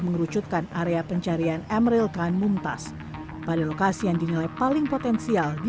mengerucutkan area pencarian emeril khan mumtaz pada lokasi yang dinilai paling potensial di